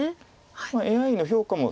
ＡＩの評価も。